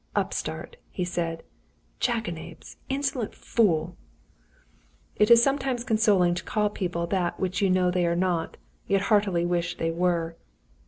"Upstart!" he said. "Jackanapes! Insolent fool!" It is sometimes consoling to call people that which you know they are not, yet heartily wish they were.